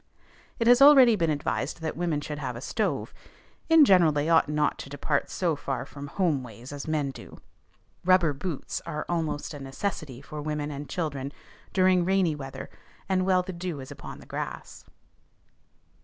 It has already been advised that women should have a stove; in general, they ought not to depart so far from home ways as men do. Rubber boots are almost a necessity for women and children during rainy weather and while the dew is upon the grass.